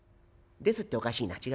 ですっておかしいな。